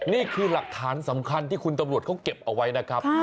นี่คือหลักฐานสำคัญที่คุณตำรวจเขาเก็บเอาไว้นะครับ